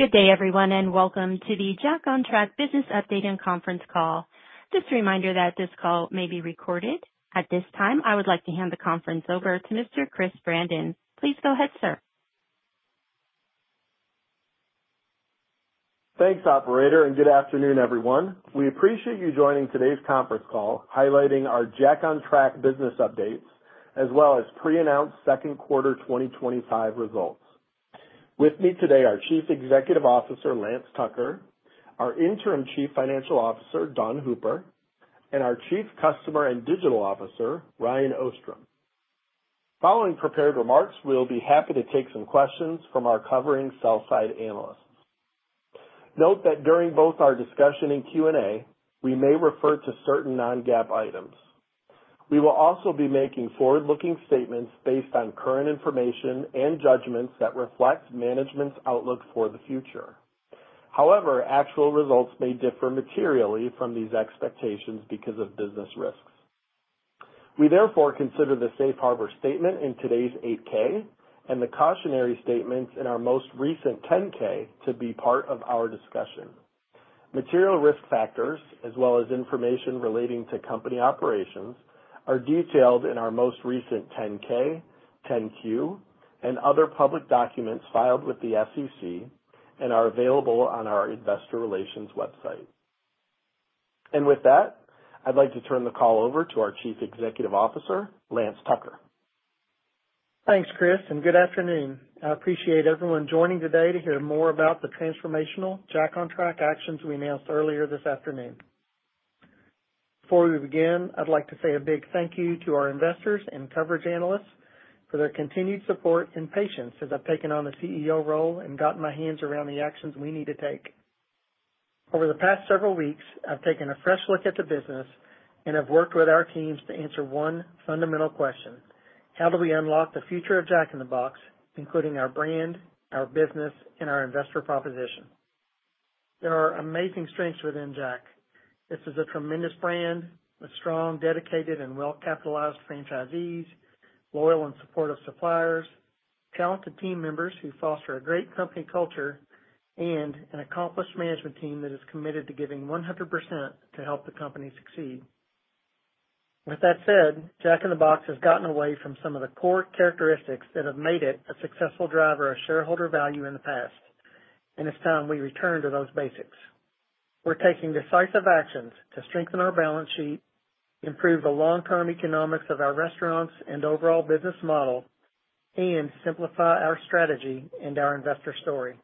Good day, everyone, and welcome to the Jack on Track Business Update and Conference Call. Just a reminder that this call may be recorded. At this time, I would like to hand the conference over to Mr. Chris Brandon. Please go ahead, sir. Thanks, operator, and good afternoon, everyone. We appreciate you joining today's conference call, highlighting our Jack on Track business updates, as well as pre-announced second quarter 2025 results. With me today are Chief Executive Officer Lance Tucker, our Interim Chief Financial Officer Dawn Hooper, and our Chief Customer and Digital Officer Ryan Ostrom. Following prepared remarks, we'll be happy to take some questions from our covering sell-side analysts. Note that during both our discussion and Q&A, we may refer to certain non-GAAP items. We will also be making forward-looking statements based on current information and judgments that reflect management's outlook for the future. However, actual results may differ materially from these expectations because of business risks. We therefore consider the safe harbor statement in today's 8-K and the cautionary statements in our most recent 10-K to be part of our discussion. Material risk factors, as well as information relating to company operations, are detailed in our most recent 10-K, 10-Q, and other public documents filed with the SEC and are available on our Investor Relations website. I would like to turn the call over to our Chief Executive Officer, Lance Tucker. Thanks, Chris, and good afternoon. I appreciate everyone joining today to hear more about the transformational Jack on Track actions we announced earlier this afternoon. Before we begin, I'd like to say a big thank you to our investors and coverage analysts for their continued support and patience as I've taken on the CEO role and gotten my hands around the actions we need to take. Over the past several weeks, I've taken a fresh look at the business and have worked with our teams to answer one fundamental question: how do we unlock the future of Jack in the Box, including our brand, our business, and our investor proposition? There are amazing strengths within Jack. This is a tremendous brand with strong, dedicated, and well-capitalized franchisees, loyal and supportive suppliers, talented team members who foster a great company culture, and an accomplished management team that is committed to giving 100% to help the company succeed. With that said, Jack in the Box has gotten away from some of the core characteristics that have made it a successful driver of shareholder value in the past, and it's time we return to those basics. We're taking decisive actions to strengthen our balance sheet, improve the long-term economics of our restaurants and overall business model, and simplify our strategy and our investor story.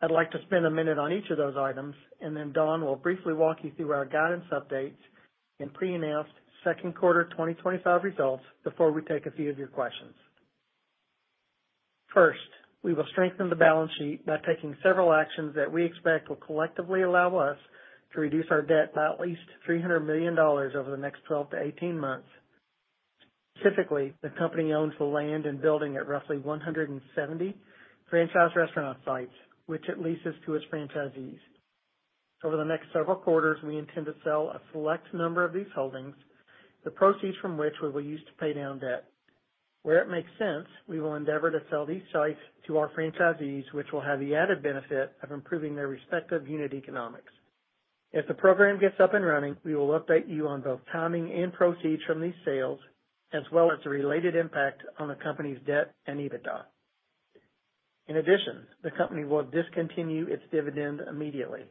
I'd like to spend a minute on each of those items, and then Dawn will briefly walk you through our guidance updates and pre-announced second quarter 2025 results before we take a few of your questions. First, we will strengthen the balance sheet by taking several actions that we expect will collectively allow us to reduce our debt by at least $300 million over the next 12-18 months. Typically, the company owns the land and building at roughly 170 franchise restaurant sites, which it leases to its franchisees. Over the next several quarters, we intend to sell a select number of these holdings, the proceeds from which we will use to pay down debt. Where it makes sense, we will endeavor to sell these sites to our franchisees, which will have the added benefit of improving their respective unit economics. If the program gets up and running, we will update you on both timing and proceeds from these sales, as well as the related impact on the company's debt and EBITDA. In addition, the company will discontinue its dividend immediately.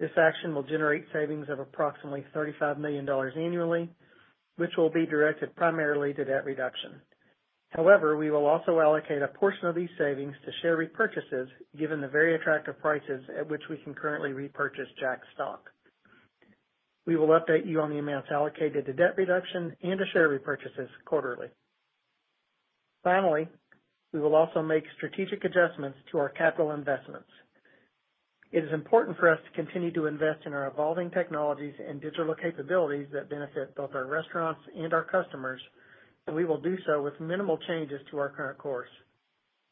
This action will generate savings of approximately $35 million annually, which will be directed primarily to debt reduction. However, we will also allocate a portion of these savings to share repurchases, given the very attractive prices at which we can currently repurchase Jack's stock. We will update you on the amounts allocated to debt reduction and to share repurchases quarterly. Finally, we will also make strategic adjustments to our capital investments. It is important for us to continue to invest in our evolving technologies and digital capabilities that benefit both our restaurants and our customers, and we will do so with minimal changes to our current course.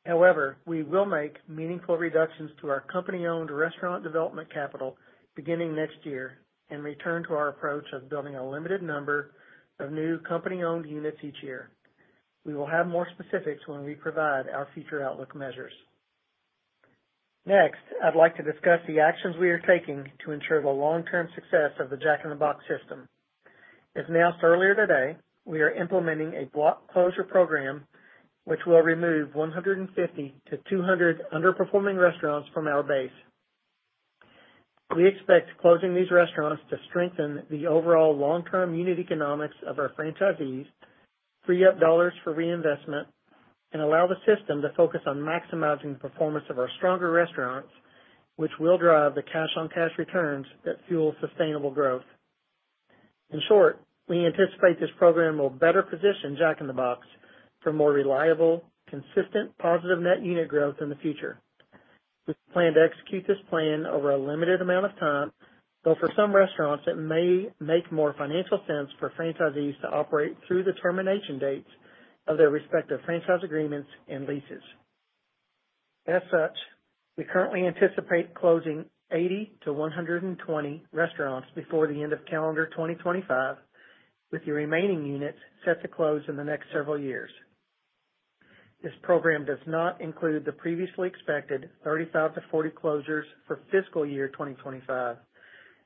However, we will make meaningful reductions to our company-owned restaurant development capital beginning next year and return to our approach of building a limited number of new company-owned units each year. We will have more specifics when we provide our future outlook measures. Next, I'd like to discuss the actions we are taking to ensure the long-term success of the Jack in the Box system. As announced earlier today, we are implementing a block closure program, which will remove 150-200 underperforming restaurants from our base. We expect closing these restaurants to strengthen the overall long-term unit economics of our franchisees, free up dollars for reinvestment, and allow the system to focus on maximizing the performance of our stronger restaurants, which will drive the cash-on-cash returns that fuel sustainable growth. In short, we anticipate this program will better position Jack in the Box for more reliable, consistent, positive net unit growth in the future. We plan to execute this plan over a limited amount of time, though for some restaurants, it may make more financial sense for franchisees to operate through the termination dates of their respective franchise agreements and leases. As such, we currently anticipate closing 80-120 restaurants before the end of calendar 2025, with the remaining units set to close in the next several years. This program does not include the previously expected 35-40 closures for fiscal year 2025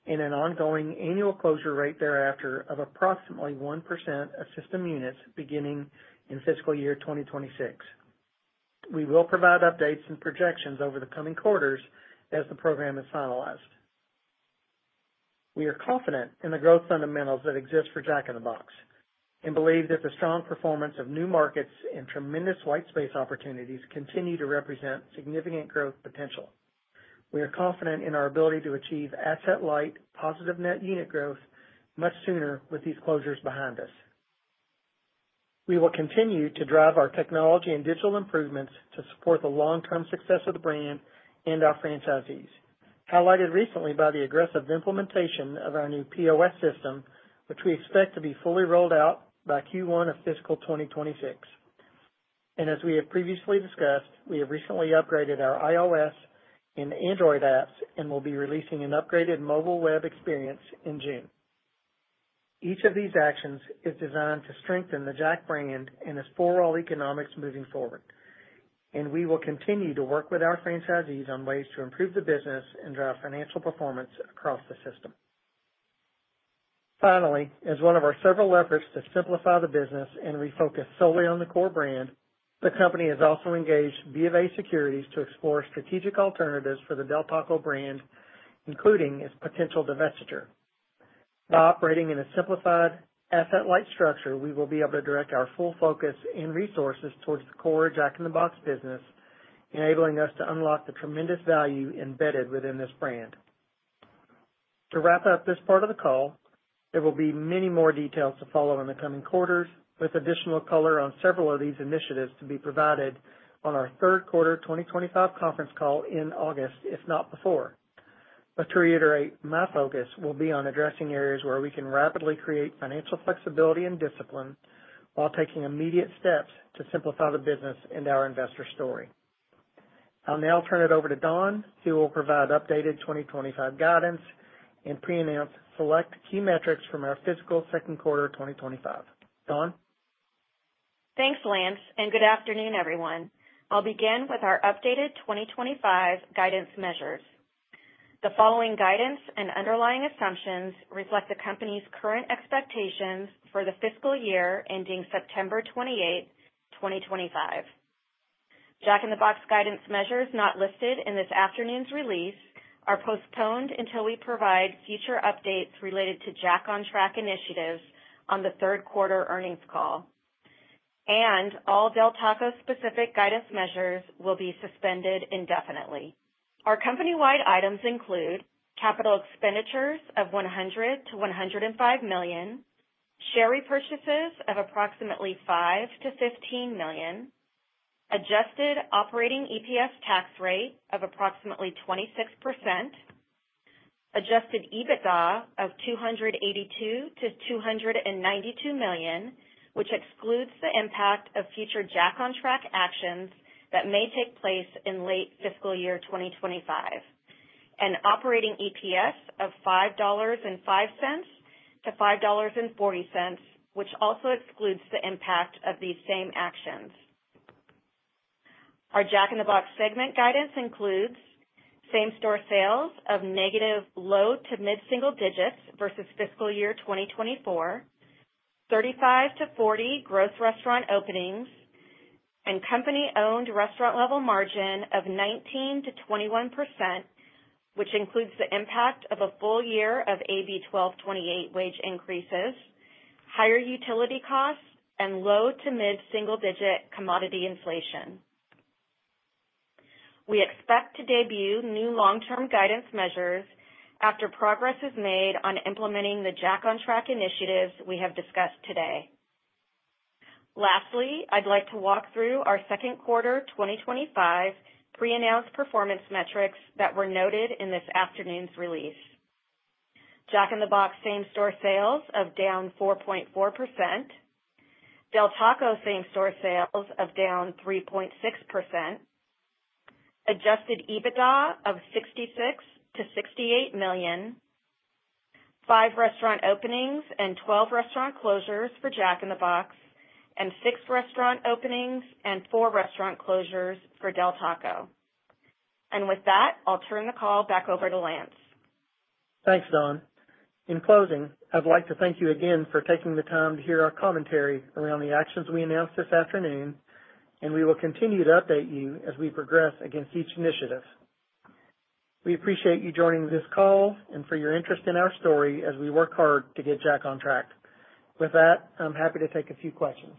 and an ongoing annual closure rate thereafter of approximately 1% of system units beginning in fiscal year 2026. We will provide updates and projections over the coming quarters as the program is finalized. We are confident in the growth fundamentals that exist for Jack in the Box and believe that the strong performance of new markets and tremendous white space opportunities continue to represent significant growth potential. We are confident in our ability to achieve asset-light positive net unit growth much sooner with these closures behind us. We will continue to drive our technology and digital improvements to support the long-term success of the brand and our franchisees, highlighted recently by the aggressive implementation of our new POS system, which we expect to be fully rolled out by Q1 of fiscal 2026. As we have previously discussed, we have recently upgraded our iOS and Android apps and will be releasing an upgraded mobile web experience in June. Each of these actions is designed to strengthen the Jack brand and its overall economics moving forward, and we will continue to work with our franchisees on ways to improve the business and drive financial performance across the system. Finally, as one of our several efforts to simplify the business and refocus solely on the core brand, the company has also engaged BofA Securities to explore strategic alternatives for the Del Taco brand, including its potential divestiture. By operating in a simplified asset-light structure, we will be able to direct our full focus and resources towards the core Jack in the Box business, enabling us to unlock the tremendous value embedded within this brand. To wrap up this part of the call, there will be many more details to follow in the coming quarters, with additional color on several of these initiatives to be provided on our third quarter 2025 conference call in August, if not before. To reiterate, my focus will be on addressing areas where we can rapidly create financial flexibility and discipline while taking immediate steps to simplify the business and our investor story. I'll now turn it over to Dawn, who will provide updated 2025 guidance and pre-announce select key metrics from our fiscal second quarter 2025. Dawn? Thanks, Lance, and good afternoon, everyone. I'll begin with our updated 2025 guidance measures. The following guidance and underlying assumptions reflect the company's current expectations for the fiscal year ending September 28, 2025. Jack in the Box guidance measures not listed in this afternoon's release are postponed until we provide future updates related to Jack on Track initiatives on the third quarter earnings call, and all Del Taco specific guidance measures will be suspended indefinitely. Our company-wide items include capital expenditures of $100 million-$105 million, share repurchases of approximately $5 million-$15 million, adjusted operating EPS tax rate of approximately 26%, adjusted EBITDA of $282 million-$292 million, which excludes the impact of future Jack on Track actions that may take place in late fiscal year 2025, and operating EPS of $5.05-$5.40, which also excludes the impact of these same actions. Our Jack in the Box segment guidance includes same-store sales of negative low to mid-single digits versus fiscal year 2024, 35-40 gross restaurant openings, and company-owned restaurant-level margin of 19%-21%, which includes the impact of a full year of AB 1228 wage increases, higher utility costs, and low to mid-single digit commodity inflation. We expect to debut new long-term guidance measures after progress is made on implementing the Jack on Track initiatives we have discussed today. Lastly, I'd like to walk through our second quarter 2025 pre-announced performance metrics that were noted in this afternoon's release. Jack in the Box same-store sales of down 4.4%, Del Taco same-store sales of down 3.6%, adjusted EBITDA of $66 million-$68 million, five restaurant openings and 12 restaurant closures for Jack in the Box, and six restaurant openings and four restaurant closures for Del Taco. With that, I'll turn the call back over to Lance. Thanks, Dawn. In closing, I'd like to thank you again for taking the time to hear our commentary around the actions we announced this afternoon, and we will continue to update you as we progress against each initiative. We appreciate you joining this call and for your interest in our story as we work hard to get Jack on track. With that, I'm happy to take a few questions.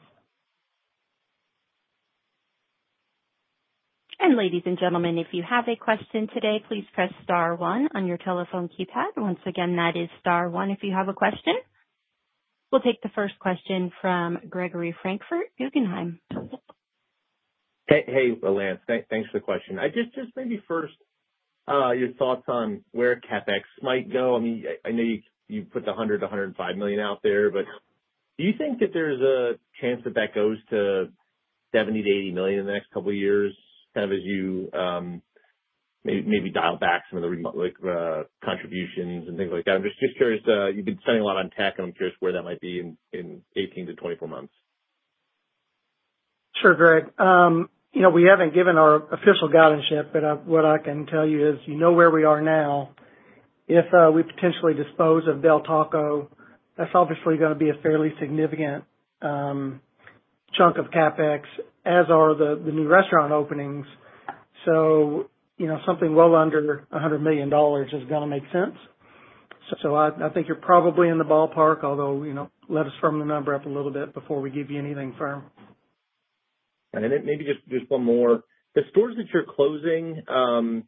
Ladies and gentlemen, if you have a question today, please press star one on your telephone keypad. Once again, that is star one if you have a question. We'll take the first question from Gregory Francfort, Guggenheim. Hey, hey, Lance. Thanks for the question. Just maybe first, your thoughts on where CapEx might go. I mean, I know you put the $100 million-$105 million out there, but do you think that there's a chance that that goes to $70 million-$80 million in the next couple of years, kind of as you maybe dial back some of the remote contributions and things like that? I'm just curious. You've been spending a lot on tech, and I'm curious where that might be in 18-24 months. Sure, Greg. We haven't given our official guidance yet, but what I can tell you is you know where we are now. If we potentially dispose of Del Taco, that's obviously going to be a fairly significant chunk of CapEx, as are the new restaurant openings. Something well under $100 million is going to make sense. I think you're probably in the ballpark, although let us firm the number up a little bit before we give you anything firm. Maybe just one more. The stores that you're closing, do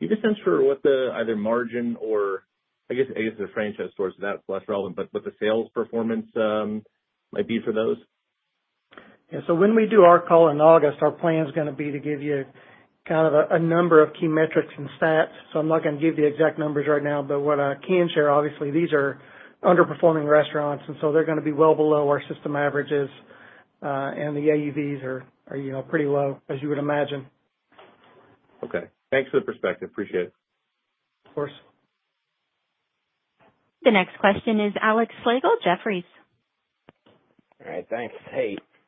you have a sense for what the either margin or, I guess, the franchise stores, that's less relevant, but what the sales performance might be for those? Yeah. When we do our call in August, our plan is going to be to give you kind of a number of key metrics and stats. I'm not going to give the exact numbers right now, but what I can share, obviously, these are underperforming restaurants, and so they're going to be well below our system averages, and the AUVs are pretty low, as you would imagine. Okay. Thanks for the perspective. Appreciate it. Of course. The next question is Alex Slagle, Jefferies. All right. Thanks.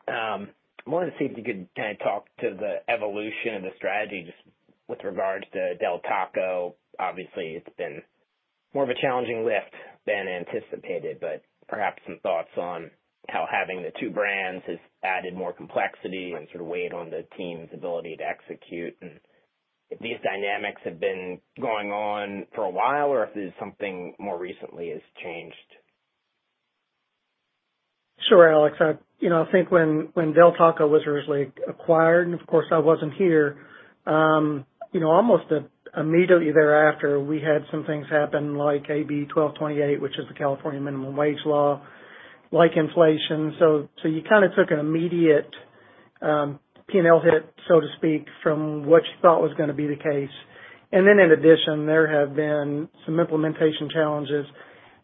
I wanted to see if you could kind of talk to the evolution of the strategy just with regards to Del Taco. Obviously, it's been more of a challenging lift than anticipated, but perhaps some thoughts on how having the two brands has added more complexity and sort of weighed on the team's ability to execute. If these dynamics have been going on for a while or if something more recently has changed. Sure, Alex. I think when Del Taco was originally acquired, and of course, I wasn't here, almost immediately thereafter, we had some things happen like AB 1228, which is the California Minimum Wage Law, like inflation. You kind of took an immediate P&L hit, so to speak, from what you thought was going to be the case. In addition, there have been some implementation challenges.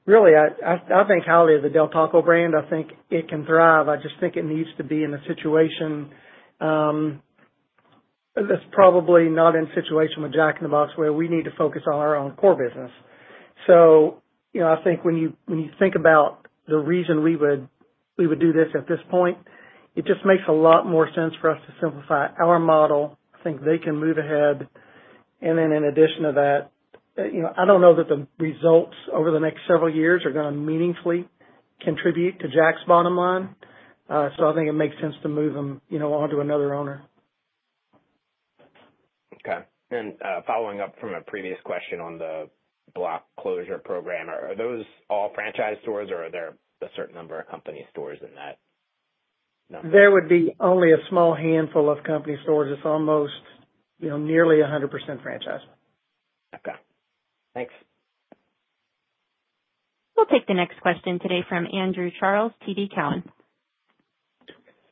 Really, I think highly of the Del Taco brand. I think it can thrive. I just think it needs to be in a situation that's probably not in a situation with Jack in the Box where we need to focus on our own core business. I think when you think about the reason we would do this at this point, it just makes a lot more sense for us to simplify our model. I think they can move ahead. In addition to that, I don't know that the results over the next several years are going to meaningfully contribute to Jack's bottom line. I think it makes sense to move them on to another owner. Okay. Following up from a previous question on the block closure program, are those all franchise stores, or are there a certain number of company stores in that number? There would be only a small handful of company stores. It's almost nearly 100% franchise. Okay. Thanks. We'll take the next question today from Andrew Charles, TD Cowen.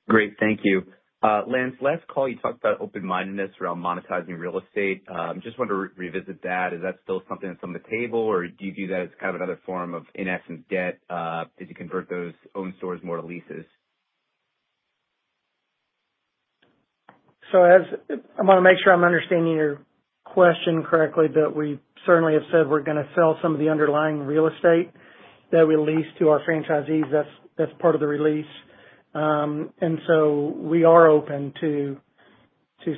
Great. Thank you. Lance, last call, you talked about open-mindedness around monetizing real estate. Just wanted to revisit that. Is that still something that's on the table, or do you view that as kind of another form of in-asset debt as you convert those owned stores more to leases? I want to make sure I'm understanding your question correctly, but we certainly have said we're going to sell some of the underlying real estate that we lease to our franchisees. That's part of the release. We are open to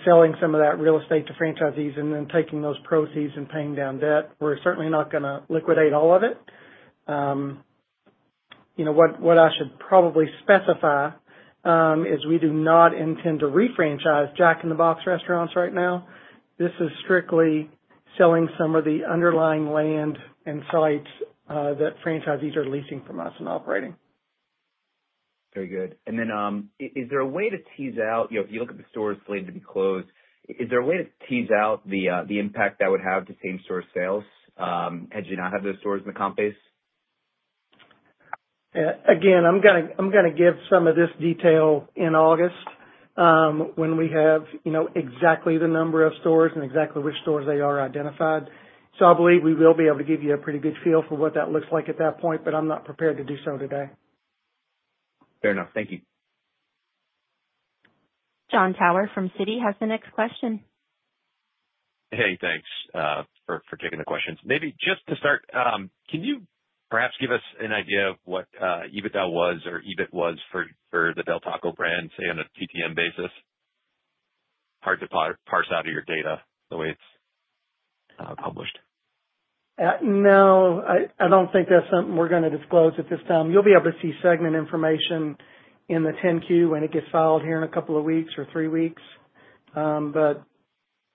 selling some of that real estate to franchisees and then taking those proceeds and paying down debt. We're certainly not going to liquidate all of it. What I should probably specify is we do not intend to refranchise Jack in the Box restaurants right now. This is strictly selling some of the underlying land and sites that franchisees are leasing from us and operating. Very good. Is there a way to tease out if you look at the stores slated to be closed, is there a way to tease out the impact that would have to same-store sales had you not had those stores in the comp base? Again, I'm going to give some of this detail in August when we have exactly the number of stores and exactly which stores they are identified. I believe we will be able to give you a pretty good feel for what that looks like at that point, but I'm not prepared to do so today. Fair enough. Thank you. Jon Tower from Citi has the next question. Hey, thanks for taking the questions. Maybe just to start, can you perhaps give us an idea of what EBITDA was or EBIT was for the Del Taco brand, say, on a TTM basis? Hard to parse out of your data the way it's published. No, I don't think that's something we're going to disclose at this time. You'll be able to see segment information in the 10-Q when it gets filed here in a couple of weeks or three weeks, but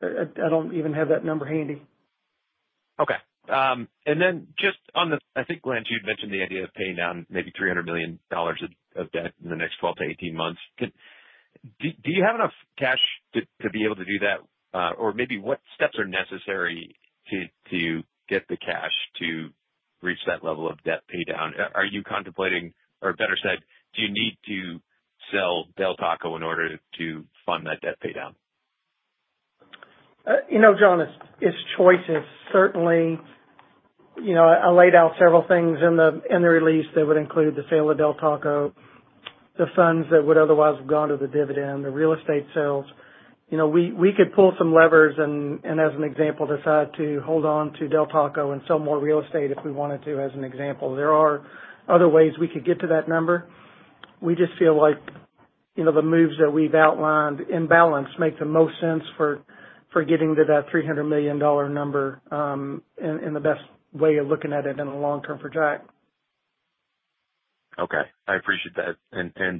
I don't even have that number handy. Okay. Just on the I think, Lance, you'd mentioned the idea of paying down maybe $300 million of debt in the next 12-18 months. Do you have enough cash to be able to do that, or maybe what steps are necessary to get the cash to reach that level of debt paydown? Are you contemplating, or better said, do you need to sell Del Taco in order to fund that debt paydown? You know, Jon, it's choices. Certainly, I laid out several things in the release that would include the sale of Del Taco, the funds that would otherwise have gone to the dividend, the real estate sales. We could pull some levers and, as an example, decide to hold on to Del Taco and sell more real estate if we wanted to, as an example. There are other ways we could get to that number. We just feel like the moves that we've outlined in balance make the most sense for getting to that $300 million number in the best way of looking at it in the long term for Jack. Okay. I appreciate that.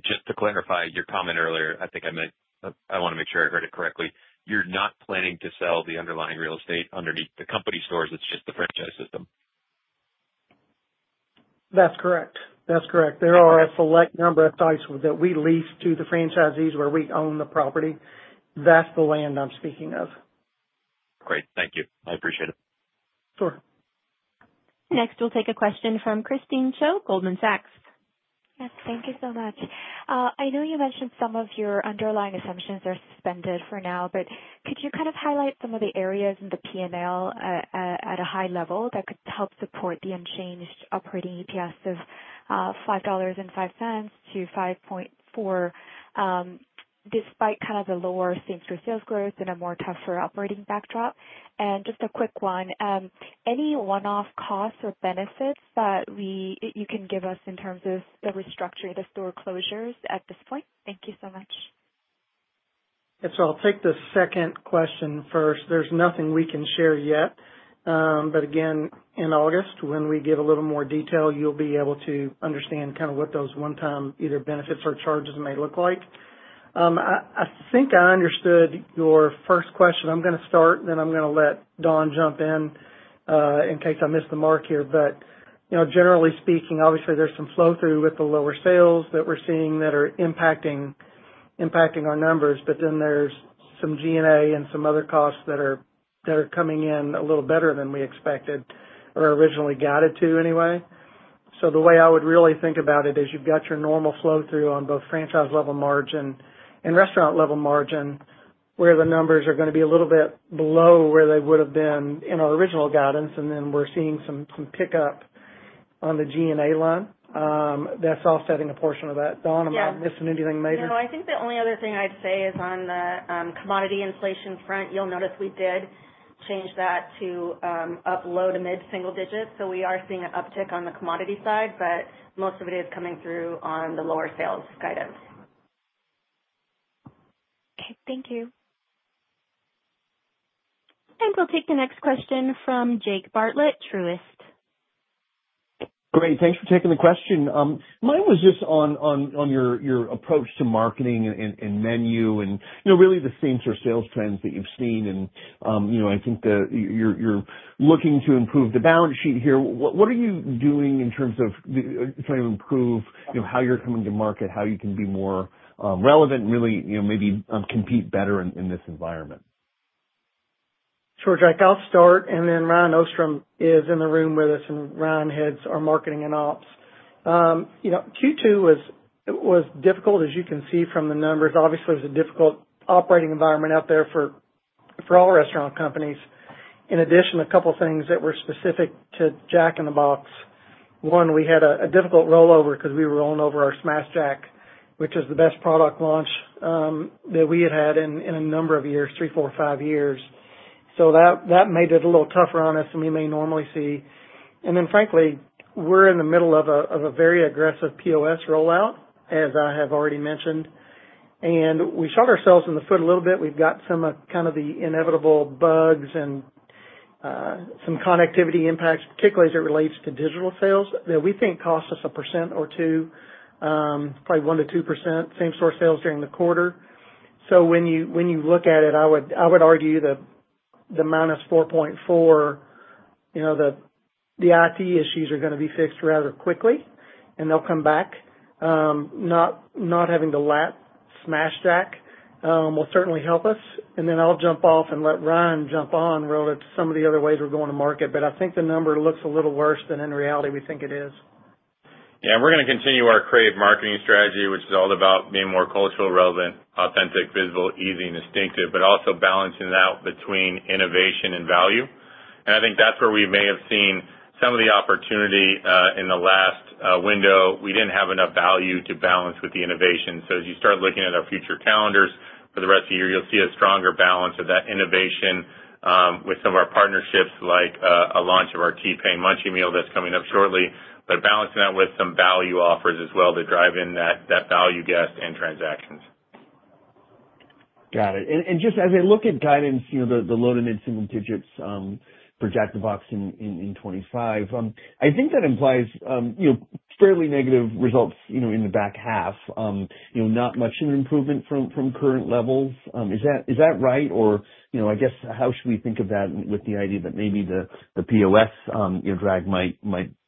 Just to clarify your comment earlier, I think I meant I want to make sure I heard it correctly. You're not planning to sell the underlying real estate underneath the company stores; it's just the franchise system? That's correct. That's correct. There are a select number of sites that we lease to the franchisees where we own the property. That's the land I'm speaking of. Great. Thank you. I appreciate it. Sure. Next, we'll take a question from Christine Cho, Goldman Sachs. Yes. Thank you so much. I know you mentioned some of your underlying assumptions are suspended for now, but could you kind of highlight some of the areas in the P&L at a high level that could help support the unchanged operating EPS of $5.05-$5.4 despite kind of the lower same-store sales growth and a more tougher operating backdrop? Just a quick one, any one-off costs or benefits that you can give us in terms of the restructuring of the store closures at this point? Thank you so much. I'll take the second question first. There's nothing we can share yet. In August, when we give a little more detail, you'll be able to understand kind of what those one-time either benefits or charges may look like. I think I understood your first question. I'm going to start, and then I'm going to let Dawn jump in in case I missed the mark here. Generally speaking, obviously, there's some flow-through with the lower sales that we're seeing that are impacting our numbers, but then there's some G&A and some other costs that are coming in a little better than we expected or originally guided to anyway. The way I would really think about it is you've got your normal flow-through on both franchise-level margin and restaurant-level margin where the numbers are going to be a little bit below where they would have been in our original guidance, and then we're seeing some pickup on the G&A line. That's offsetting a portion of that. Dawn, am I missing anything major? No, I think the only other thing I'd say is on the commodity inflation front, you'll notice we did change that to up low to mid-single digits. We are seeing an uptick on the commodity side, but most of it is coming through on the lower sales guidance. Okay. Thank you. We will take the next question from Jake Bartlett, Truist. Great. Thanks for taking the question. Mine was just on your approach to marketing and menu and really the same-store sales trends that you've seen. I think you're looking to improve the balance sheet here. What are you doing in terms of trying to improve how you're coming to market, how you can be more relevant, and really maybe compete better in this environment? Sure, Jack. I'll start, and then Ryan Ostrom is in the room with us, and Ryan heads our marketing and ops. Q2 was difficult, as you can see from the numbers. Obviously, it was a difficult operating environment out there for all restaurant companies. In addition, a couple of things that were specific to Jack in the Box. One, we had a difficult rollover because we were rolling over our Smashed Jack, which was the best product launch that we had had in a number of years, three, four, five years. That made it a little tougher on us than we may normally see. Frankly, we're in the middle of a very aggressive POS rollout, as I have already mentioned. We shot ourselves in the foot a little bit. We've got some of kind of the inevitable bugs and some connectivity impacts, particularly as it relates to digital sales, that we think cost us a percent or two, probably 1%-2%, same-store sales during the quarter. When you look at it, I would argue the -4.4, the IT issues are going to be fixed rather quickly, and they'll come back. Not having to lap Smashed Jack will certainly help us. I'll jump off and let Ryan jump on relative to some of the other ways we're going to market, but I think the number looks a little worse than in reality we think it is. Yeah. We're going to continue our creative marketing strategy, which is all about being more culturally relevant, authentic, visible, easy, and distinctive, but also balancing that between innovation and value. I think that's where we may have seen some of the opportunity in the last window. We didn't have enough value to balance with the innovation. As you start looking at our future calendars for the rest of the year, you'll see a stronger balance of that innovation with some of our partnerships, like a launch of our T-Pain Munchie Meal that's coming up shortly, but balancing that with some value offers as well to drive in that value guest and transactions. Got it. Just as I look at guidance, the low to mid-single digits for Jack in the Box in 2025, I think that implies fairly negative results in the back half, not much of an improvement from current levels. Is that right? I guess, how should we think of that with the idea that maybe the POS drag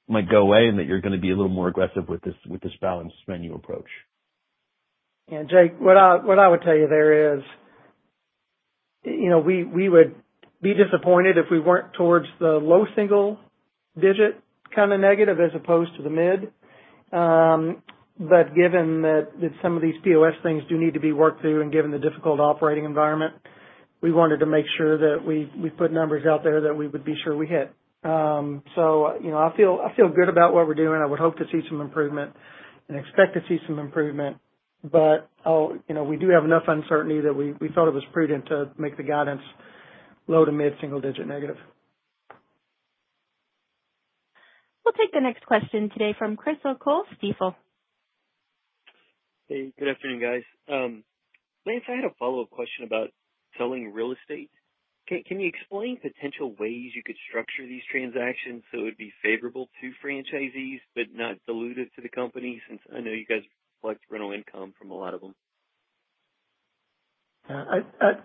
might go away and that you're going to be a little more aggressive with this balanced menu approach? Yeah. Jake, what I would tell you there is we would be disappointed if we were not towards the low single-digit kind of negative as opposed to the mid. Given that some of these POS things do need to be worked through and given the difficult operating environment, we wanted to make sure that we put numbers out there that we would be sure we hit. I feel good about what we are doing. I would hope to see some improvement and expect to see some improvement, but we do have enough uncertainty that we thought it was prudent to make the guidance low to mid-single-digit negative. We'll take the next question today from Chris O’Cull, Stifel. Hey, good afternoon, guys. Lance, I had a follow-up question about selling real estate. Can you explain potential ways you could structure these transactions so it would be favorable to franchisees but not diluted to the company since I know you guys collect rental income from a lot of them?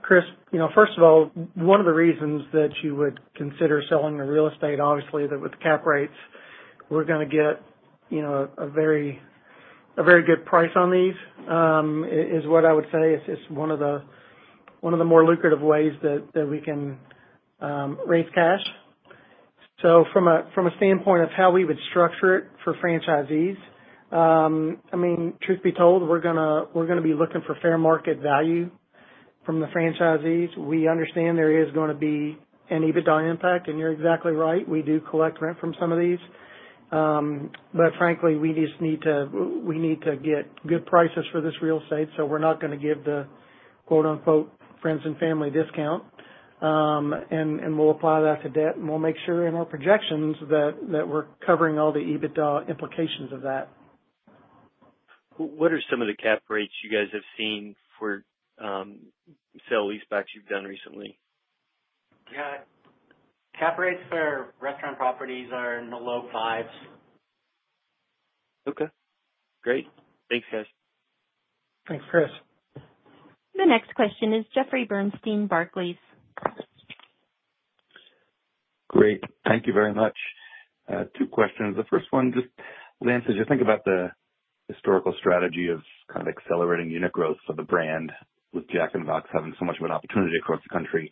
Chris, first of all, one of the reasons that you would consider selling the real estate, obviously, that with the cap rates, we're going to get a very good price on these is what I would say is one of the more lucrative ways that we can raise cash. From a standpoint of how we would structure it for franchisees, I mean, truth be told, we're going to be looking for fair market value from the franchisees. We understand there is going to be an EBITDA impact, and you're exactly right. We do collect rent from some of these. Frankly, we just need to get good prices for this real estate, so we're not going to give the "friends and family discount." We'll apply that to debt, and we'll make sure in our projections that we're covering all the EBITDA implications of that. What are some of the cap rates you guys have seen for sale-leasebacks you've done recently? Yeah. Cap rates for restaurant properties are in the low fives. Okay. Great. Thanks, guys. Thanks, Chris. The next question is Jeffrey Bernstein, Barclays. Great. Thank you very much. Two questions. The first one, just Lance, as you think about the historical strategy of kind of accelerating unit growth for the brand with Jack in the Box having so much of an opportunity across the country,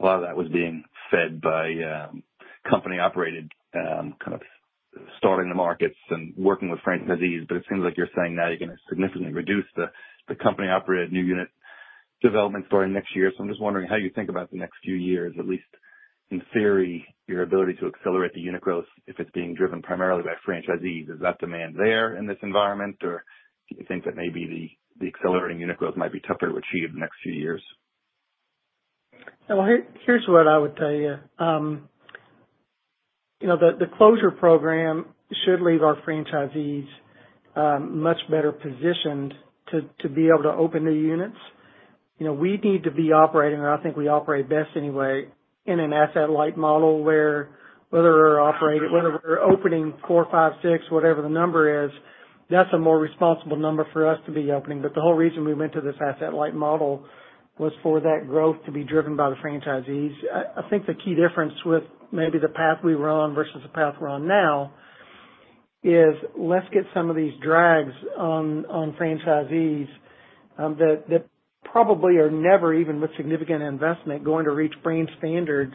a lot of that was being fed by company-operated kind of starting the markets and working with franchisees. It seems like you're saying now you're going to significantly reduce the company-operated new unit development starting next year. I am just wondering how you think about the next few years, at least in theory, your ability to accelerate the unit growth if it's being driven primarily by franchisees. Is that demand there in this environment, or do you think that maybe the accelerating unit growth might be tougher to achieve in the next few years? Here's what I would tell you. The closure program should leave our franchisees much better positioned to be able to open new units. We need to be operating, and I think we operate best anyway, in an asset-light model where whether we're operating, whether we're opening four, five, six, whatever the number is, that's a more responsible number for us to be opening. The whole reason we went to this asset-light model was for that growth to be driven by the franchisees. I think the key difference with maybe the path we were on versus the path we're on now is let's get some of these drags on franchisees that probably are never even with significant investment going to reach brand standards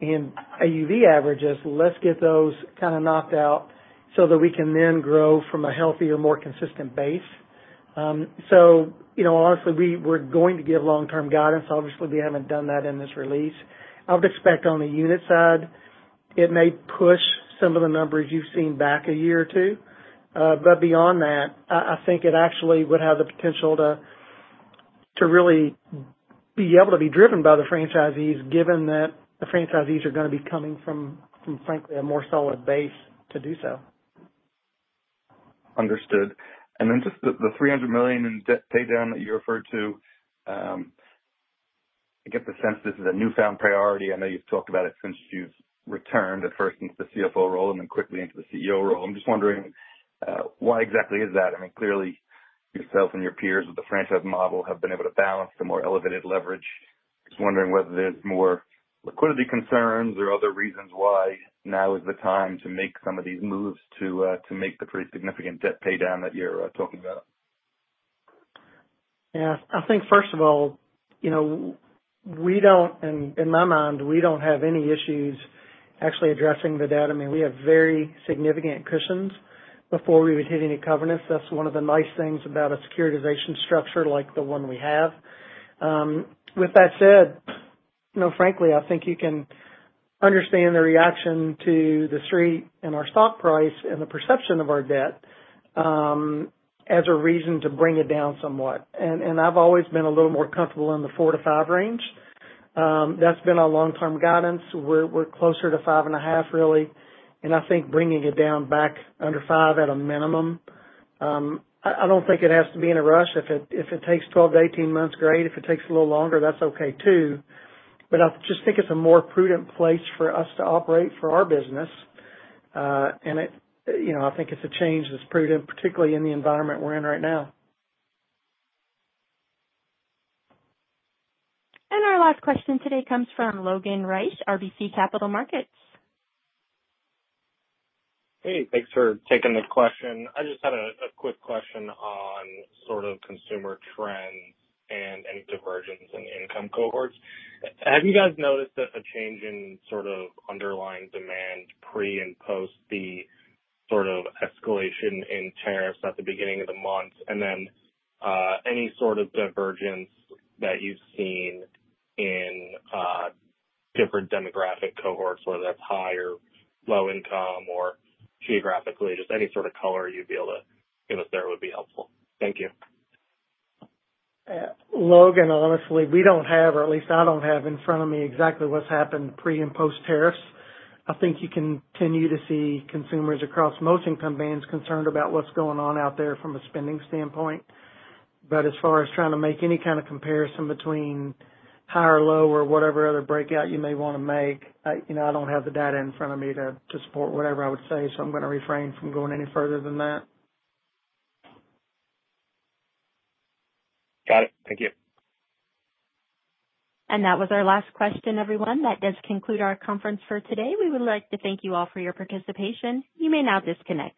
in AUV averages. Let's get those kind of knocked out so that we can then grow from a healthier, more consistent base. Obviously, we're going to give long-term guidance. Obviously, we haven't done that in this release. I would expect on the unit side, it may push some of the numbers you've seen back a year or two. Beyond that, I think it actually would have the potential to really be able to be driven by the franchisees given that the franchisees are going to be coming from, frankly, a more solid base to do so. Understood. Just the $300 million in debt paydown that you referred to, I get the sense this is a newfound priority. I know you've talked about it since you've returned at first into the CFO role and then quickly into the CEO role. I'm just wondering why exactly is that? I mean, clearly, yourself and your peers with the franchise model have been able to balance the more elevated leverage. Just wondering whether there's more liquidity concerns or other reasons why now is the time to make some of these moves to make the pretty significant debt paydown that you're talking about. Yeah. I think, first of all, in my mind, we don't have any issues actually addressing the debt. I mean, we have very significant cushions before we would hit any covenants. That's one of the nice things about a securitization structure like the one we have. With that said, frankly, I think you can understand the reaction to the street and our stock price and the perception of our debt as a reason to bring it down somewhat. I've always been a little more comfortable in the four to five range. That's been our long-term guidance. We're closer to five and a half, really. I think bringing it down back under five at a minimum, I don't think it has to be in a rush. If it takes 12-18 months, great. If it takes a little longer, that's okay too. I just think it's a more prudent place for us to operate for our business. I think it's a change that's prudent, particularly in the environment we're in right now. Our last question today comes from Logan Reich, RBC Capital Markets. Hey. Thanks for taking the question. I just had a quick question on sort of consumer trends and any divergence in income cohorts. Have you guys noticed a change in sort of underlying demand pre and post the sort of escalation in tariffs at the beginning of the month? Any sort of divergence that you've seen in different demographic cohorts, whether that's high or low income or geographically, just any sort of color you'd be able to give us there would be helpful. Thank you. Logan, honestly, we do not have, or at least I do not have in front of me exactly what has happened pre and post tariffs. I think you continue to see consumers across most income bands concerned about what is going on out there from a spending standpoint. As far as trying to make any kind of comparison between high or low or whatever other breakout you may want to make, I do not have the data in front of me to support whatever I would say, so I am going to refrain from going any further than that. Got it. Thank you. That was our last question, everyone. That does conclude our conference for today. We would like to thank you all for your participation. You may now disconnect.